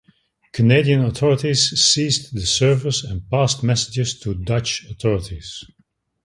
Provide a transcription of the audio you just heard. Canadian authorities seized the servers and passed messages to Dutch authorities.